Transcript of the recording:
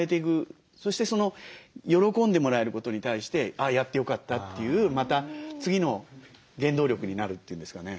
そしてその喜んでもらえることに対してあやってよかったというまた次の原動力になるというんですかね。